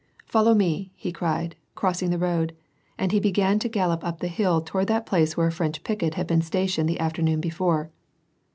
" Follow me," he cried, crossing the road, and he began to gallop up the hill toward that place where a French picket had been standing the afternoon before.